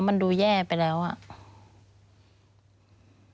มันจอดอย่างง่ายอย่างง่าย